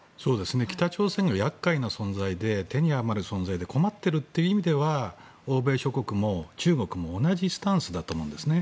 北朝鮮が厄介な存在で手に余る存在で困っているという意味では欧米諸国も中国も同じスタンスだと思うんですよね。